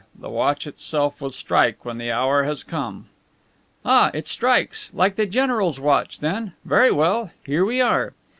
The watch itself will strike when the hour has come." "Ah, it strikes! Like the general's watch, then. Very well, here we are."